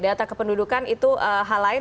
data kependudukan itu hal lain